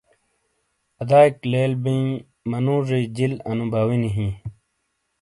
ادئیئک لیل بیئن منُوژیئی جِیل اَنُو باوینی ہِیں۔